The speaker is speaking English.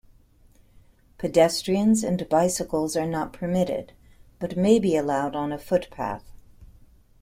Pedestrians and bicycles are not permitted, but may be allowed on a footpath.